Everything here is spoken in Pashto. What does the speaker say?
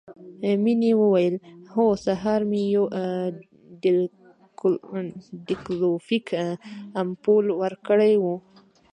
مينې وويل هو سهار مې يو ډيکلوفينک امپول ورکړى و.